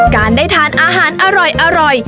การได้ทานอาหารอร่อย